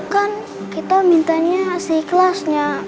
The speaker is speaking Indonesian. kan kita mintanya asli kelasnya